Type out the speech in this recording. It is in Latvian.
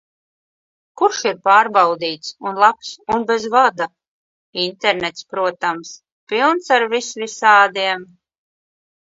Kurš ir pārbaudīts un labs un bez vada? Internets, protams, pilns ar visvisādiem...